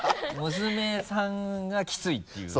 娘さんがキツイっていう。